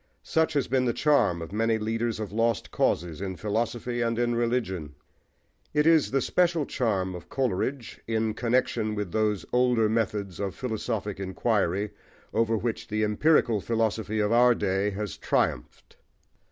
Such has been the charm of many leaders of lost causes in philosophy and in religion. It is the special charm of Coleridge, in connexion with those older methods of philosophic inquiry, over which the empirical philosophy of our day has triumphed.